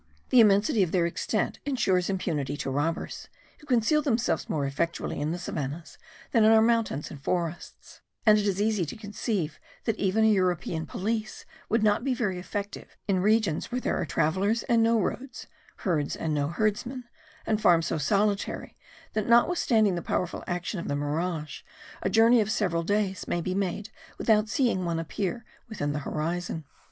The immensity of their extent insures impunity to robbers, who conceal themselves more effectually in the savannahs than in our mountains and forests; and it is easy to conceive that even a European police would not be very effective in regions where there are travellers and no roads, herds and no herdsmen, and farms so solitary that notwithstanding the powerful action of the mirage, a journey of several days may be made without seeing one appear within the horizon.